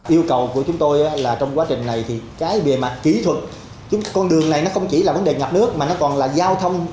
yêu cầu của chúng tôi là trong quá trình này thì cái bề mặt kỹ thuật con đường này nó không chỉ là vấn đề ngập nước mà nó còn là giao thông